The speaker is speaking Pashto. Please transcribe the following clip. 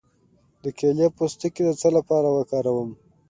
د کیلې پوستکی د څه لپاره وکاروم؟